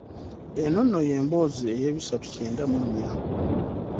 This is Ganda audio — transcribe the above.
Eno nno y'emboozi ey'ebisatu kyenda mu nnya.